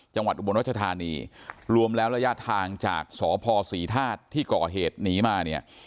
จังหวัดอุบรณชธานีรวมแล้วระยะทางจากสศศรีธาตุที่ก่อเหตุหนีมา